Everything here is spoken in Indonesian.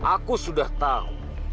aku sudah tahu